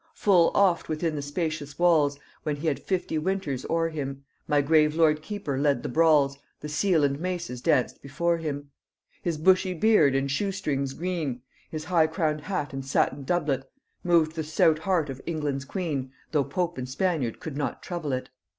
Full oft within the spacious walls, When he had fifty winters o'er him, My grave lord keeper led the brawls, The seal and maces danced before him. His bushy beard and shoe strings green, His high crown'd hat and satin doublet, Moved the stout heart of England's queen, Though pope and Spaniard could not trouble it."